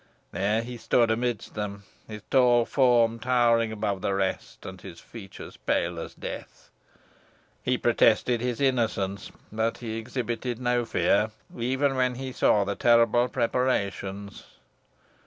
There he stood amidst them, his tall form towering above the rest, and his features pale as death. He protested his innocence, but he exhibited no fear, even when he saw the terrible preparations.